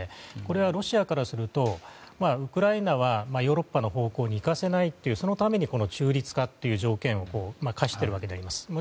これはロシアからするとウクライナはヨーロッパの方向にいかせないとそのためにこの中立化という条件を課しているわけであります。